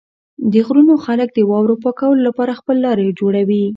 د غرونو خلک د واورو پاکولو لپاره خپل لارې جوړوي.